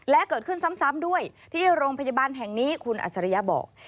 และเกิดขึ้นซ้ำด้วยที่โรงพยาบาลแห่งนี้คุณอัจฉริยะบอก